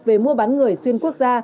về mua bán người xuyên quốc gia